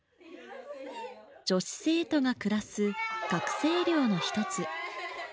女子生徒が暮らす学生寮の一つ。